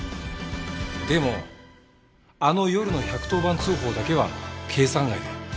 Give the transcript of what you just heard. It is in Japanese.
でもあの夜の１１０番通報だけは計算外で。